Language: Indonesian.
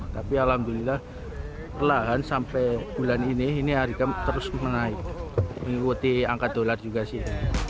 tapi alhamdulillah perlahan sampai bulan ini ini harga terus menaik mengikuti angka dolar juga sih